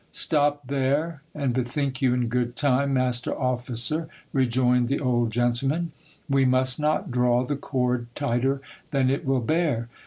Stop there, and bethink you in good time, master officer, rejoined the old gentleman ; we must not draw the cord tighter than it will bear.